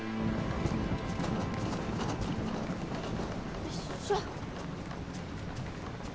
よいしょ！